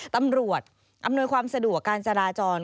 ตำรวจอำนวยความสะดวกการจราจร